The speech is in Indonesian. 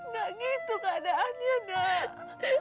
gak gitu keadaannya nak